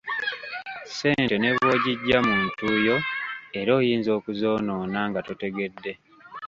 Ssente ne bw'ogijja mu ntuuyo era oyinza okuzoonoona nga totegedde.